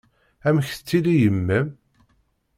Amek tettili yemma-m?